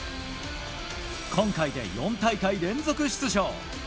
今回で４大会連続出場。